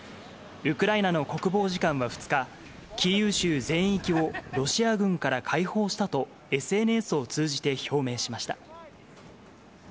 ウクライナの国防次官は２日、キーウ州全域をロシア軍から解放したと、ＳＮＳを通じて表明しました。